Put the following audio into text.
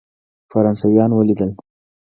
فرانسویان ولیدل.